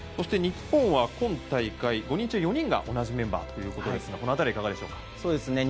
日本は今大会５人中４人が同じメンバーということですがこの辺りはいかがでしょう。